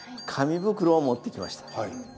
紙袋を持ってきました。